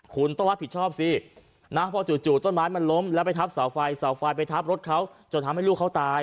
คุณต้องรับผิดชอบสินะพอจู่ต้นไม้มันล้มแล้วไปทับเสาไฟเสาไฟไปทับรถเขาจนทำให้ลูกเขาตาย